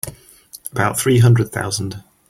About three hundred thousand.